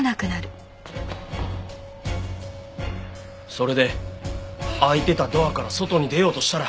それで開いてたドアから外に出ようとしたら。